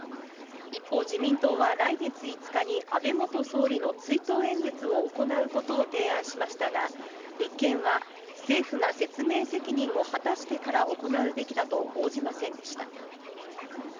一方、自民党は来月５日に安倍元総理の追悼演説を行うことを提案しましたが、立憲は政府が説明責任を果たしてから行うべきだと応じませんでした。